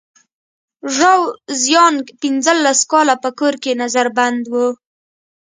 ژاو زیانګ پنځلس کاله په کور کې نظر بند و.